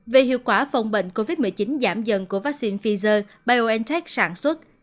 về hiệu quả phòng bệnh covid một mươi chín giảm dần của vaccine pfizer biontech sản xuất